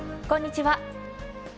こんにちは。